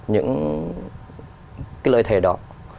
những cái lời thề đó